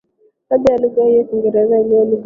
hadhi hiyo lugha ya Kiingereza iliyo lugha ya